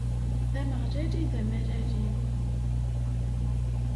D Ameɣlal i d amalal-iw.